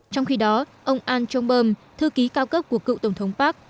trong khi đó ông ahn jong beom thư ký cao cấp của cựu tổng thống park